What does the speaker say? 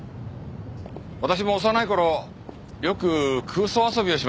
私も幼い頃よく空想遊びをしました。